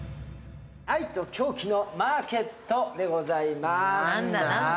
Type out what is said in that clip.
愛と狂気のマーケットでございます。